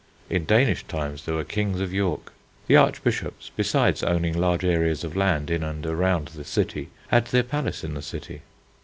In Danish times there were kings of York. The Archbishops, besides owning large areas of land in and around the city, had their palace in the city.